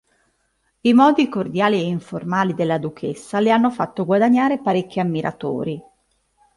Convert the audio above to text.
I modi cordiali e informali della Duchessa le hanno fatto guadagnare parecchi ammiratori.